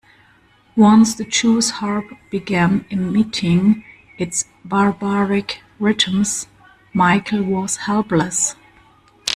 Once the jews harp began emitting its barbaric rhythms, Michael was helpless.